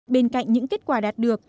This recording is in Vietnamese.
bên cạnh những kết quả đạt được